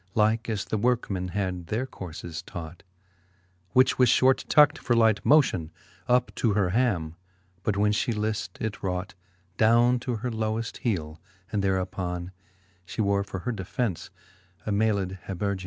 Like as the workeman had their courfcs taught 5 Which was fliort tucked for light motion Up to her ham, but when /he lift, it raught Downe to her loweft heele, and thereuppon She wore for her defence a mayled habergeon.